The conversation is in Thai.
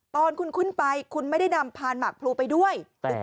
ตอนคุณขึ้นไปคุณไม่ได้นำพานหมากพลูไปด้วย